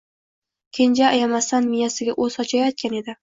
Kenja ayamasdan miyasiga o‘t sochayotgan edi.